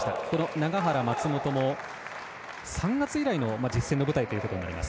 永原、松本も３月以来の実戦の舞台となります。